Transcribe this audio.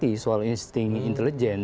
jadi kita harus mengikuti insting intelijen